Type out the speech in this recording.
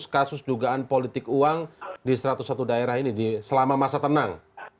kasus dugaan politik uang di satu ratus satu daerah ini selama masa tenang